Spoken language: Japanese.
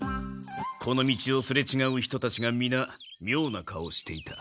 この道をすれちがう人たちがみなみょうな顔をしていた。